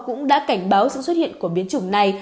cũng đã cảnh báo sự xuất hiện của biến chủng này